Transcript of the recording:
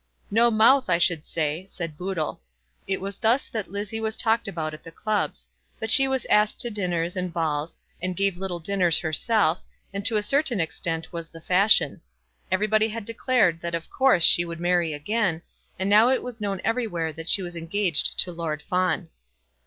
"No mouth, I should say," said Boodle. It was thus that Lizzie was talked about at the clubs; but she was asked to dinners and balls, and gave little dinners herself, and to a certain extent was the fashion. Everybody had declared that of course she would marry again, and now it was known everywhere that she was engaged to Lord Fawn.